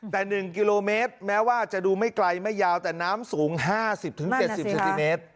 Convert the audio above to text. แต่๑กิโลเมตรแม้ว่าจะดูไม่ไกลไม่ยาวแต่น้ำสูง๕๐๗๐เซนติเมตร